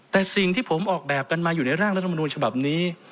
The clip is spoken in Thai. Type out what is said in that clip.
แต่สิ่งที่ผมออกแบบกันมาอยู่ในร่างรัฐมนูญฉบับนี้